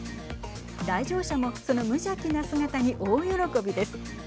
来場者もその無邪気な姿に大喜びです。